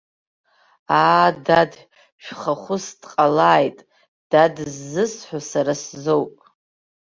Аа, дад шәхахәыс дҟалааит, дад ззысҳәо сара сзоуп!